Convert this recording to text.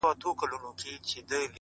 د انسانانو جهالت له موجه ـ اوج ته تللی ـ